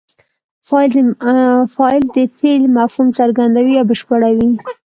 فاعل د فعل مفهوم څرګندوي او بشپړوي.